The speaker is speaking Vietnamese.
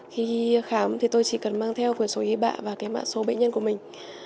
khi khám thì tôi chỉ cần mang theo quyền số y bạ và mạ số bệnh nhân của mình